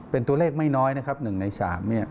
เป็นตัวเลขไม่น้อยนะครับ๑ใน๓เนี่ย